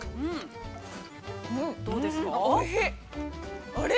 どうですか。